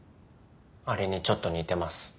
あれにちょっと似てます。